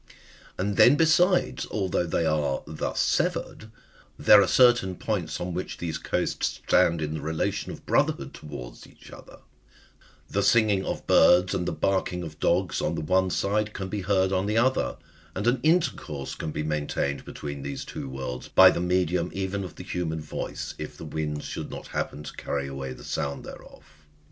And then besides,^ although they are thus severed, there are certain points on whicli these coasts stand in the relation of brotherhood towards each other — the singing of birds and the barking of dogs on the one side can be heard on the other, and an intercourse can be maintained between these two worlds by the medium even of the human voice,^ if the winds should not happen to carry away the sound thereof.